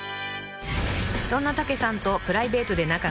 ［そんな武さんとプライベートで仲がいい